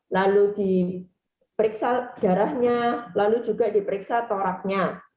lalu di periksa darahnya lalu juga di periksa toraknya